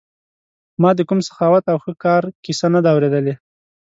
ما د کوم سخاوت او ښه کار کیسه نه ده اورېدلې.